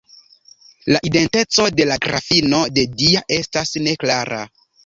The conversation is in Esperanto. La identeco de la Grafino de Dia estas neklara.